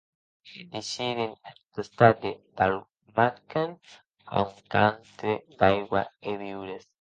E deishèren ath costat de Daul’makan, un cantre d’aigua e viures.